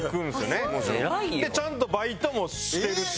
でちゃんとバイトもしてるし。